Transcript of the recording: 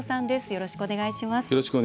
よろしくお願いします。